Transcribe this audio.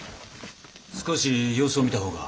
少し様子を見た方が。